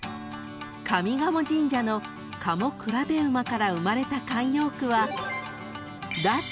［上賀茂神社の賀茂競馬から生まれた慣用句は］